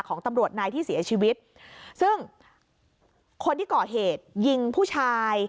ของตำรวจนายที่เสียชีวิตซึ่งคนที่ก่อเหตุยิงผู้ชาย